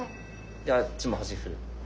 であっちも端歩。